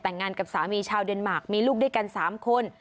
แต่งงานกับสามีชาวเดนมาร์คมีลูกด้วยกัน๓คน